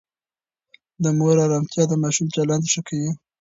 د مور آرامتیا د ماشوم چلند ښه کوي.